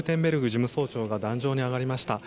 事務総長が壇上に上がりました。